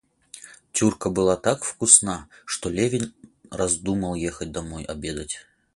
Тюрька была так вкусна, что Левин раздумал ехать домой обедать.